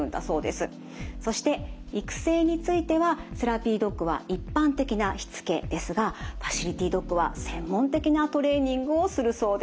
そして育成についてはセラピードッグは一般的なしつけですがファシリティドッグは専門的なトレーニングをするそうです。